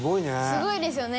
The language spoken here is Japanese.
「すごいですよね」